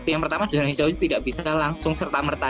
yang pertama zona hijau itu tidak bisa langsung serta merta